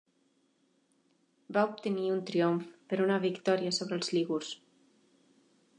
Va obtenir un triomf per una victòria sobre els lígurs.